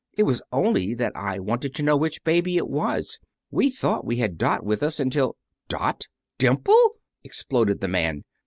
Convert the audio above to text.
It was only that I wanted to know which baby it was. We thought we had Dot with us, until " "Dot! Dimple!" exploded the man.